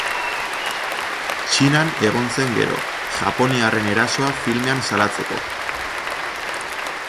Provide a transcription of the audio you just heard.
Txinan egon zen gero, japoniarren erasoa filmean salatzeko.